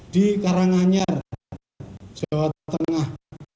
di karanganyar jawa tengah